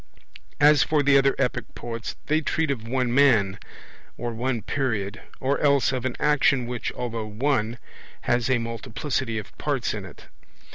As for the other epic poets, they treat of one man, or one period; or else of an action which, although one, has a multiplicity of parts in it.